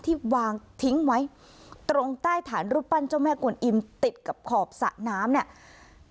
ที่วางทิ้งไว้ตรงใต้ฐานรูปปั้นเจ้าแม่กวนอิมติดกับขอบสระน้ำเนี่ย